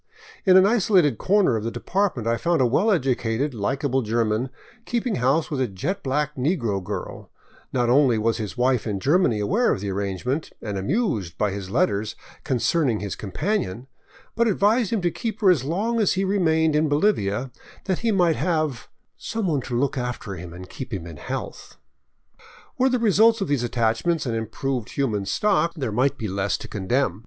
In an isolated corner of the de partment I found a well educated, likable German keeping house with a jet black negro girl; and not only was his wife in Germany aware of the arrangement, and amused by his letters concerning his companion, but advised him to keep her as long as he remained in Bolivia, that he might have " some one to look after him and keep him in health." Were the results of these attachments an improved human stock, there might be less to condemn.